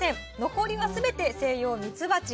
残りは全てセイヨウミツバチ。